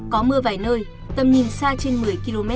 có mưa vài nơi tầm nhìn xa trên một mươi km